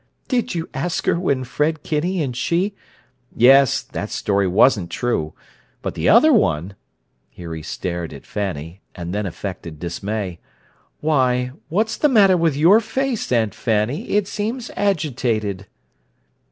"Did you ask her when Fred Kinney and she—" "Yes. That story wasn't true. But the other one—" Here he stared at Fanny, and then affected dismay. "Why, what's the matter with your face, Aunt Fanny? It seems agitated!"